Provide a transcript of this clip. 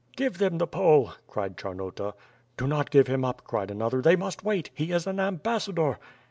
"Give them the Pole,'* cried Charnota. "Do not give him up,'* cried another. "They must wait! He is an ambassador."